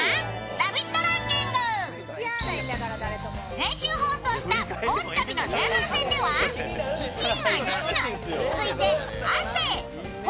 先週放送した高知旅の前半戦では１位が西野、続いて亜生昴